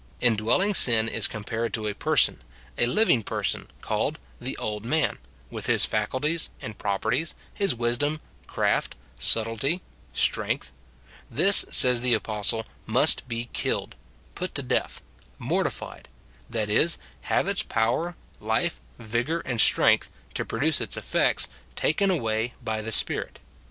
Indwelling sin is compared to a person, a living person, called " the old man," with his faculties, and properties, his wisdom, craft, subtlety, strength ; this, says the apostle, must be killed, put to death, mortified, — that is, have its power, life, vigour, and strength, to produce its effects, taken away by the Spirit.